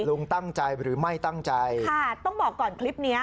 ลุงตั้งใจหรือไม่ตั้งใจค่ะต้องบอกก่อนคลิปเนี้ย